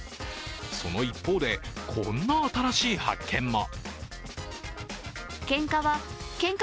その一方で、こんな新しい発見も。